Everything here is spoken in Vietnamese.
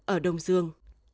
ở đông dương